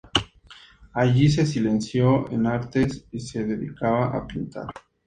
Allí se licenció en artes y se dedicaba a pintar.